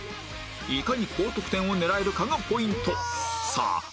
いかに高得点を狙えるかがポイント